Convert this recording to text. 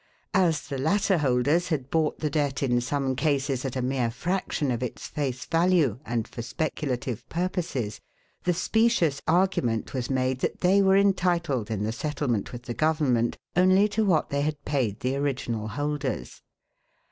As the latter holders had bought the debt in some cases at a mere fraction of its face value and for speculative purposes, the specious argument was made that they were entitled in the settlement with the government only to what they had paid the original holders.